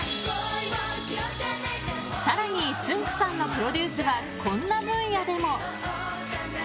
更につんく♂さんのプロデュースはこんな分野でも。